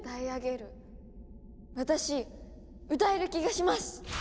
私歌える気がします！